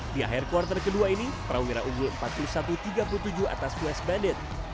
di akhir quarter ke dua ini trawira unggul empat puluh satu tiga puluh tujuh atas west bandit